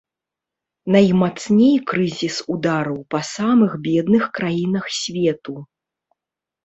Наймацней крызіс ударыў па самых бедных краінах свету.